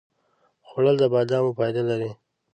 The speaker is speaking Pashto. خوړل د بادامو فایده لري